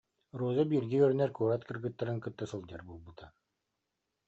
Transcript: Роза бииргэ үөрэнэр куорат кыргыттарын кытта сылдьар буолбута